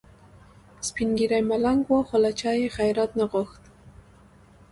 سپین ږیری ملنګ و خو له چا یې خیرات نه غوښت.